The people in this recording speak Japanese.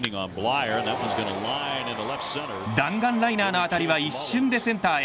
弾丸ライナーの当たりは一瞬でセンターへ。